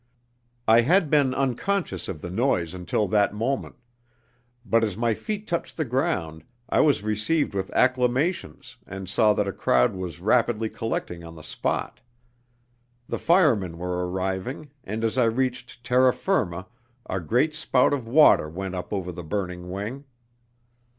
I had been unconscious of the noise until that moment, but as my feet touched the ground I was received with acclamations, and saw that a crowd was rapidly collecting on the spot. The firemen were arriving, and as I reached terra firma a great spout of water went up over the burning wing.